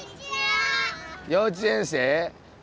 幼稚園生？